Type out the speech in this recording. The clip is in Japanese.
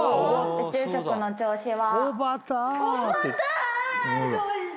宇宙食の調子は。